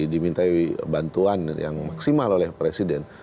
dimintai bantuan yang maksimal oleh presiden